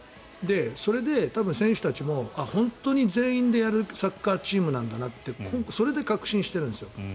それで選手たちも本当に全員でやるサッカーチームなんだなってそれで確信しているんです。